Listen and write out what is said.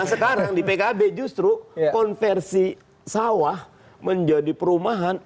nah sekarang di pkb justru konversi sawah menjadi perumahan